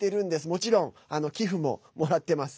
もちろん寄付ももらっています。